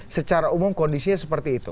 secara umum kondisinya seperti itu